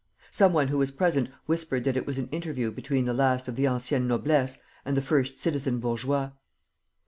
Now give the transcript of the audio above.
Some one who was present whispered that it was an interview between the last of the ancienne noblesse and the first citizen bourgeois.